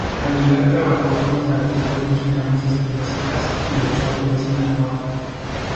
Aguilar trabajó con los artistas mexicanos Espinoza Paz y El Chapo de Sinaloa.